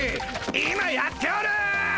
今やっておる！